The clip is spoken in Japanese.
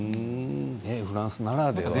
フランスならではですね。